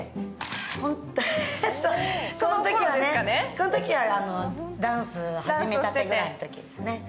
このときは、ダンス始めたてくらいのときですね。